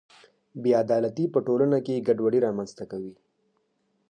بې عدالتي په ټولنه کې ګډوډي رامنځته کوي.